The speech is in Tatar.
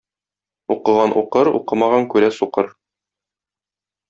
Укыган укыр, укымаган күрә сукыр.